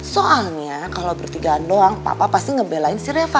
soalnya kalau bertiga doang papa pasti ngebelain si reva